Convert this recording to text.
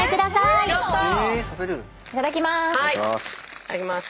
いただきまーす！